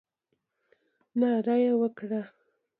ناره یې وکړه.